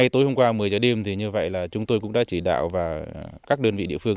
tối hôm qua một mươi giờ đêm thì như vậy là chúng tôi cũng đã chỉ đạo và các đơn vị địa phương